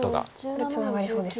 これツナがりそうですか。